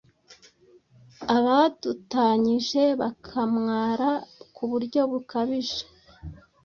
Abadutanyije bakamwara kuburyo bukabije